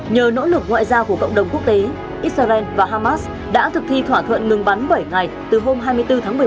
nhờ nỗ lực ngoại giao của cộng đồng quốc tế israel và hamas đã thực thi thỏa thuận ngừng bắn bảy ngày từ hôm hai mươi bốn tháng một mươi một